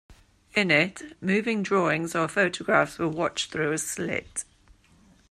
In it, moving drawings or photographs were watched through a slit.